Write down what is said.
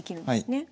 はい。